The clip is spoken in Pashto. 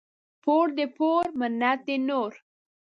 پور دي پور ، منت دي نور.